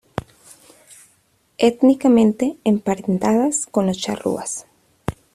Étnicamente emparentadas con los charrúas.